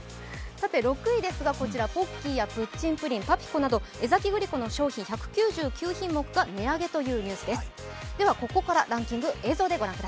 ６位は、ポッキーやプッチンプリン、パピコなど、江崎グリコの商品１９９品目が値上げというニュースです。